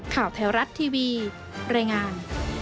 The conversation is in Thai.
ข่าวแถวรัฐทีวีรายงาน